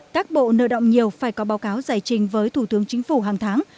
các bộ nợ động nhiều phải có báo cáo giải trình với thủ tướng chính phủ hàng tháng